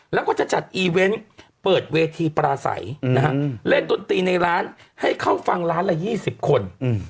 แล้วก็จะจัดอีเวนต์เปิดเวทีปราศัยเล่นดนตรีในร้านให้เข้าฟังร้านละ๒๐คน